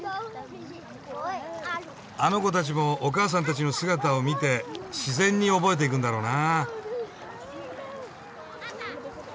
あの子たちもお母さんたちの姿を見て自然に覚えていくんだろうな。